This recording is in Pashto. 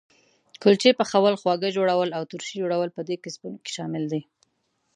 کلچې پخول، خواږه جوړول او ترشي جوړول په دې کسبونو کې شامل دي.